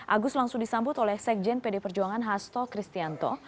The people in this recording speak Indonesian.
agus langsung disambut oleh sekjen pd perjuangan hasto kristianto